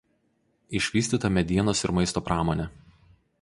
Išvystyta medienos ir maisto pramonė.